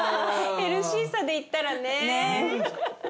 ヘルシーさで言ったらね。